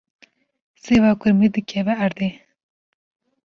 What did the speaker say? Sêva kurmî dikeve erdê.